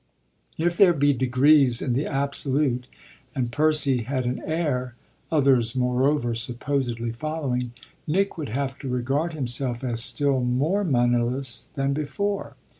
If there be degrees in the absolute and Percy had an heir others, moreover, supposedly following Nick would have to regard himself as still more moneyless than before.